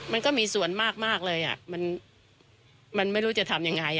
มันก็มีส่วนมากเลยมันไม่รู้จะทำยังไง